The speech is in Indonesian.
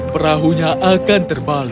perahunya akan menyeberanginya